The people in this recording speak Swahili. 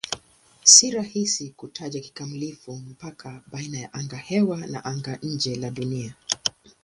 Si rahisi kutaja kikamilifu mpaka baina ya angahewa na anga-nje la Dunia.